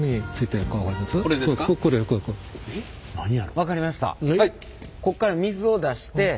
分かりました。